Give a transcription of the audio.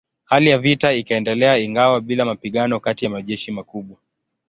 Hali ya vita ikaendelea ingawa bila mapigano kati ya majeshi makubwa.